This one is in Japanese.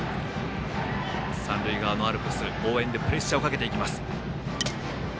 三塁側のアルプス応援でプレッシャーをかけていきます。